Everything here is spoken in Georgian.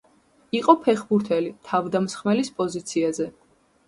იყო ფეხბურთელი, თავდამსხმელის პოზიციაზე.